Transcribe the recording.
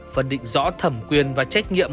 phân định rõ thẩm quyền và trách nhiệm